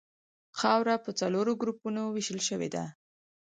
خاوره په څلورو ګروپونو ویشل شوې ده